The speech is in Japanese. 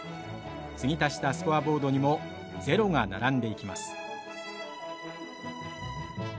継ぎ足したスコアボードにもゼロが並んでいきます。